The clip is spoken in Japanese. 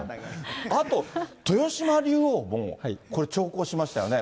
あと、豊島竜王もこれ、長考しましたよね。